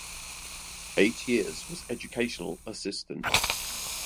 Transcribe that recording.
Eight years was educational assistant.